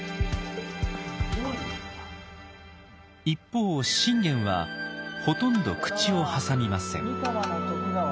一方信玄はほとんど口を挟みません。